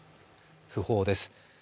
訃報です。